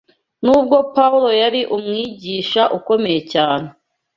Nubwo Pawulo yari umwigisha ukomeye cyane